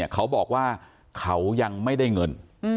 เขาบอกว่าเขายังไม่ได้เงิน